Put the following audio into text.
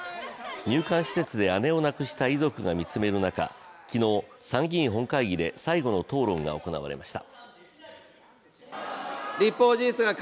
入管施設で姉を亡くした遺族が見つめる中、昨日、参議院本会議で最後の討論が行われました。